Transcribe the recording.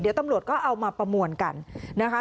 เดี๋ยวตำรวจก็เอามาประมวลกันนะคะ